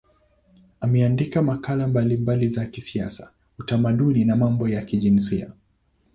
Ameandika makala mbalimbali za kisiasa, utamaduni na mambo ya kijinsia.